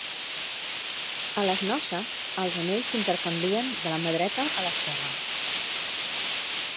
A les noces, els anells s'intercanvien de la mà dreta a l'esquerra.